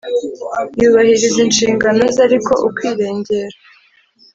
Yubahiriza inshingano ze ariko ukwirengera